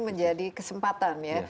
menjadi kesempatan ya